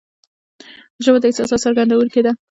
ژبه د احساساتو څرګندونکې ده